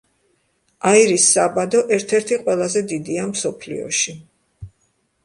აირის საბადო ერთ-ერთი ყველაზე დიდია მსოფლიოში.